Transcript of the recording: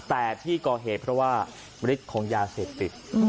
แต่ที่ก่อเหตุเพราะว่าฤทธิ์ของยาเสพติด